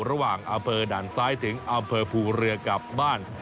อำเภอด่านซ้ายถึงอำเภอภูเรือกลับบ้าน